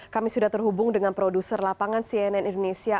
kami sudah terhubung dengan produser lapangan cnn indonesia